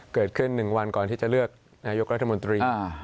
เกิดขึ้น๑วันก่อนที่จะเลือกนายกรัฐมนตรี